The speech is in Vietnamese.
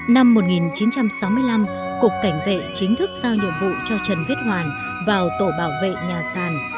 năm một nghìn chín trăm sáu mươi năm cục cảnh vệ chính thức giao nhiệm vụ cho trần viết hoàn vào tổ bảo vệ nhà sàn